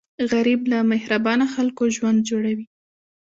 غریب له مهربانه خلکو ژوند جوړوي